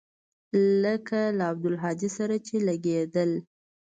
لکه له عبدالهادي سره چې لګېده.